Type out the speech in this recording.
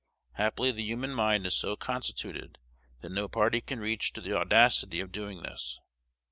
Happily the human mind is so constituted, that no party can reach to the audacity of doing this.